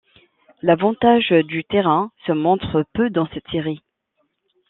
L'avantage du terrain se montre peu dans cette série.